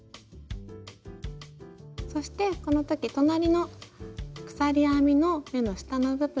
そしてこの時隣の鎖編みの目の下の部分ですね